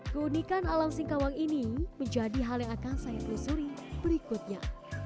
keunikan alam singkawang ini menjadi hal yang akan saya telusuri berikutnya